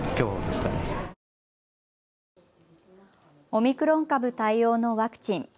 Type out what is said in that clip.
オミクロン株対応のワクチン。